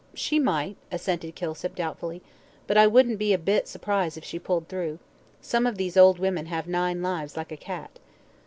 "She might," assented Kilsip, doubtfully; "but I wouldn't be a bit surprised if she pulled through. Some of these old women have nine lives like a cat."